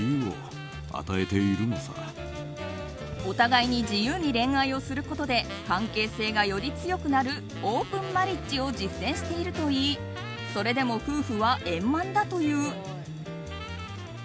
お互いに自由に恋愛をすることで関係性がより強くなるオープンマリッジを実践しているといいそれでも夫婦は円満だという。